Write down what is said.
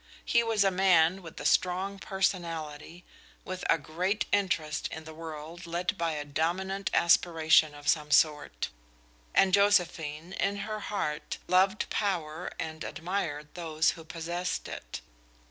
He was a man with a strong personality, with a great interest in the world led by a dominant aspiration of some sort; and Josephine, in her heart, loved power and admired those who possessed it.